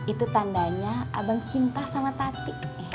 itu tandanya abang cinta sama tati